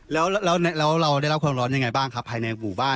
แล้วเราได้รับความร้อนยังไงบ้างครับภายในหมู่บ้าน